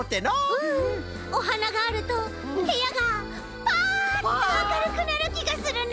おはながあるとへやがパッとあかるくなるきがするね！